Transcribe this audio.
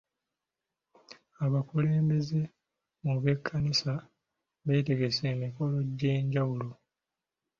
Abakulembeze mu b'ekkanisa bategese emikolo egy'enjawulo.